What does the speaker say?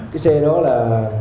cái xe đó là